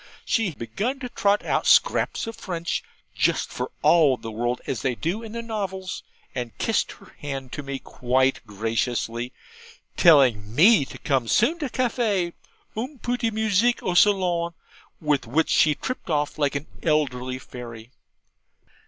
She began to trot out scraps of French, just for all the world as they do in the novels; and kissed her hand to me quite graciously, telling me to come soon to caffy, UNG PU DE MUSICK O SALONG with which she tripped off like an elderly fairy.